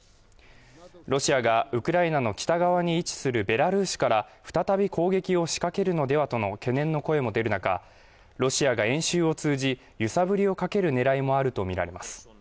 ロシアがウクライナの北側に位置するベラルーシから再び攻撃を仕掛けるのではとの懸念の声も出る中ロシアが演習を通じ揺さぶりをかけるねらいもあると見られます